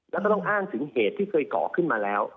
แล้วก็ต้องอ้างถึงเหตุที่เคยเกาะขึ้นมาแล้ว